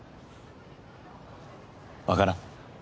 わからん。